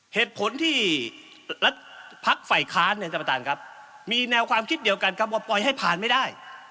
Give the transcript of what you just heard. เหตุผลที่รัฐพักฝ่ายค้านเนี่ยท่านประธานครับมีแนวความคิดเดียวกันครับว่าปล่อยให้ผ่านไม่ได้